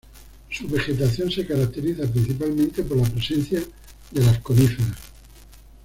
Su vegetación se caracteriza principalmente por la presencia de las coníferas.